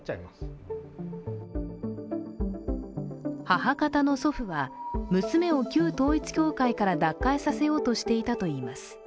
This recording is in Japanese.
母方の祖父は、娘を旧統一教会から脱会させようとしていたといいます。